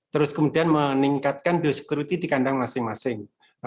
terus kemudian meningkatkan biosecurity di kandang masing masing